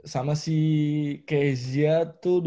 sama si kezia tuh dua ribu sembilan